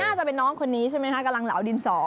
จะเป็นน้องคนนี้ใช่ไหมคะกำลังเหลาดินสอ